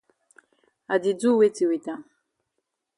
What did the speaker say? I di do weti wit am?